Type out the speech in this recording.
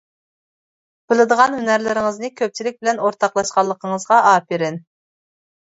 بىلىدىغان ھۈنەرلىرىڭىزنى كۆپچىلىك بىلەن ئورتاقلاشقانلىقىڭىزغا ئاپىرىن!